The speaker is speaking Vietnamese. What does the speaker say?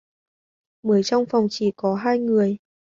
Bởi trong phòng chỉ có hai người